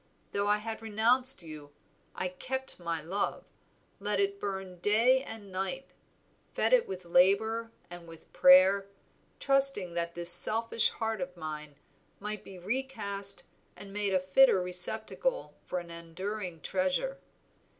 Though I had renounced you, I kept my love; let it burn day and night, fed it with labor and with prayer, trusting that this selfish heart of mine might be recast and made a fitter receptacle for an enduring treasure.